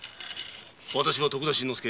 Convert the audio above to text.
私は徳田新之助。